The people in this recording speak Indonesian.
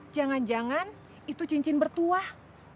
jangan jangan itu cincin bertuah